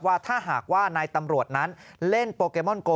ว่าถ้าหากว่านายตำรวจนั้นเล่นโปเกมอนโก